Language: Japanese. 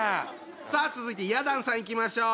さあ続いてや団さんいきましょう。